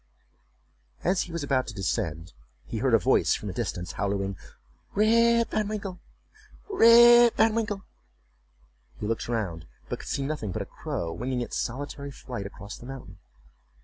As he was about to descend, he heard a voice from a distance, hallooing, "Rip Van Winkle! Rip Van Winkle!" He looked round, but could see nothing but a crow winging its solitary flight across the mountain.